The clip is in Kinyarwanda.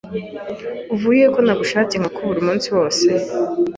uvuyehe ko nagushatse nka kubura umunsi wose